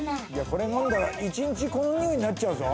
これ飲んだら一日このニオイになっちゃうぞ